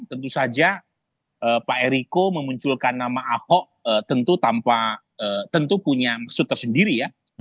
tentu saja pak eriko memunculkan nama ahok tentu tanpa tentu punya maksud tersendiri ya